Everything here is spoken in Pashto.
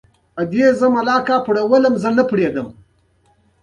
افغانستان بايد نور د مينو څخه خوندي سي